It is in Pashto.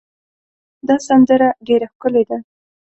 دا سندره ډېره ښکلې ده.